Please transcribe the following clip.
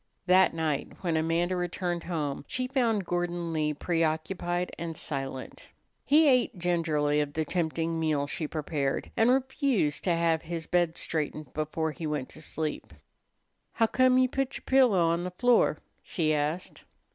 That night when Amanda returned home she found Gordon Lee preoccupied and silent. He ate gingerly of the tempting meal she prepared, and refused to have his bed straightened before he went to sleep. "Huccome you put yer pillow on the floor?" she asked.